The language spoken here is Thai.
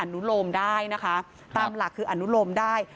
นุโลมได้นะคะตามหลักคืออนุโลมได้